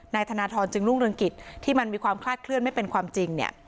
ธนทรจึงรุ่งเรืองกิจที่มันมีความคลาดเคลื่อนไม่เป็นความจริงเนี่ย